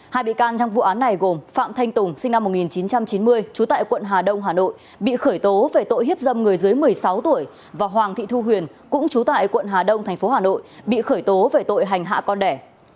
hai bị can trong vụ án này gồm phạm thanh tùng sinh năm một nghìn chín trăm chín mươi trú tại quận hà đông hà nội bị khởi tố về tội hiếp dâm người dưới một mươi sáu tuổi và hoàng thị thu huyền cũng trú tại quận hà đông tp hà nội bị khởi tố về tội hành hạ con đẻ